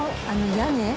屋根？